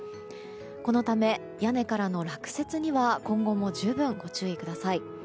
このため、屋根からの落雪には今後も十分、ご注意ください。